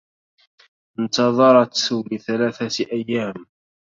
انتظرت لثلاثة أيام.